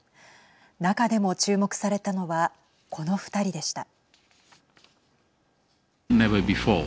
中でも注目されたのはこの２人でした。